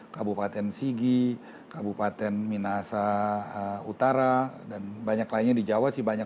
kabupaten sigi kabupaten minasa utara dan banyak lainnya di jawa sih banyak